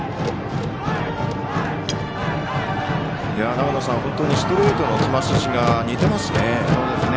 長野さん、本当にストレートの球筋が似てますね。